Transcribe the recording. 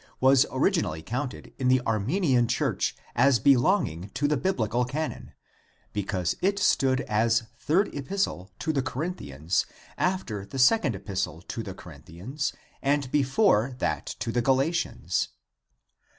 was orig inally counted in the Armenian Church as belonging to the biblical canon, because it stood as third epistle to the Corin thians after the second epistle to the Corinthians and before that to the Galatians.